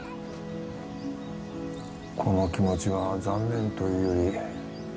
この気持ちは残念というより